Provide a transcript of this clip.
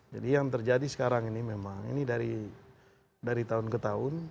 jadi yang terjadi sekarang ini memang ini dari tahun ke tahun